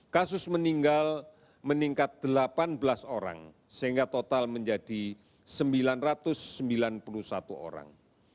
kasus meninggal meningkat delapan belas orang sehingga total menjadi sembilan ratus sembilan puluh satu orang